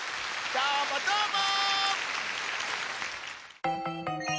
どーもどーも！